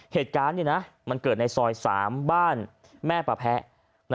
เหตุการณ์มันเกิดในซอย๓บ้านแม่ปะแพะ